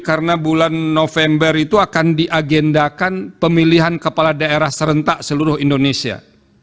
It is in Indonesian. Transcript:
karena bulan november itu akan diagendakan pemilihan kepala daerah serentak seluruh indonesia